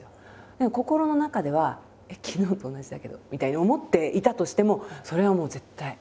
でも心の中では「昨日と同じだけど」みたいに思っていたとしてもそれはもう絶対。